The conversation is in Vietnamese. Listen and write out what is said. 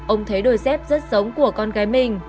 ông thấy đôi dép rất giống của con gái mê